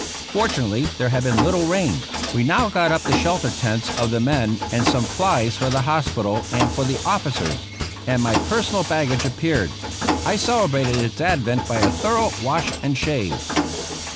Fortunately there had been little rain. We now got up the shelter tents of the men and some flies for the hospital and for the officers; and my personal baggage appeared. I celebrated its advent by a thorough wash and shave.